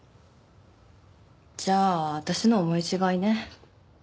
じゃあ私の思い違いね。